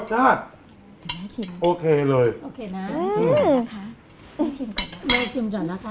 โอเคนะมาชิมก่อนนะคะแม่ชิมก่อนนะคะ